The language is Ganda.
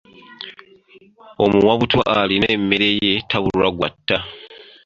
Omuwabutwa alina emmere ye tabulwa gw’atta.